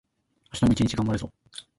明日も一日がんばるぞ